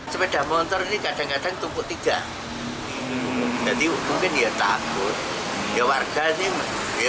sepeda motor ini kadang kadang tumpuk tiga